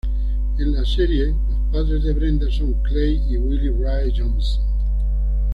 En la serie, los padres de Brenda son Clay y Willie Rae Johnson.